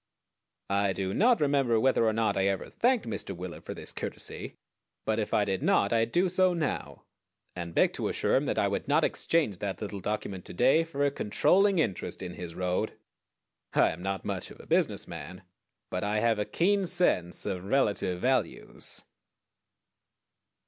I do not remember whether or not I ever thanked Mr. Willard for this courtesy; but if I did not I do so now, and beg to assure him that I would not exchange that little document to day for a controlling interest in his road. I am not much of a business man, but I have a keen sense of relative values.